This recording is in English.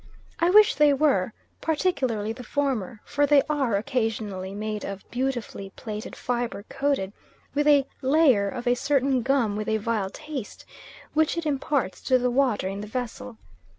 I wish they were, particularly the former, for they are occasionally made of beautifully plaited fibre coated with a layer of a certain gum with a vile taste, which it imparts to the water in the vessel.